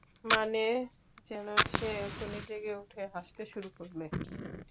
মানে, যেন সে এখনি জেগে উঠে হাসতে শুরু করবে।